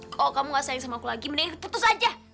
kalau kamu gak sayang sama aku lagi mendingan diputus aja